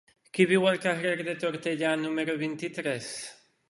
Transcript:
Qui viu al carrer de Tortellà número vint-i-tres?